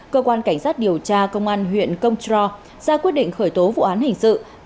cơ quan cảnh sát điều tra công an huyện công trò ra quyết định khởi tố vụ án hình sự